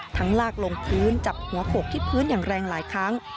ลากลงพื้นจับหัวโขกที่พื้นอย่างแรงหลายครั้ง